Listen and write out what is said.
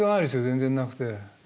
全然なくて。